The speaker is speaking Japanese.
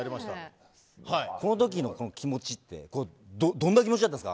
このときの気持ちってどんな気持ちだったんですか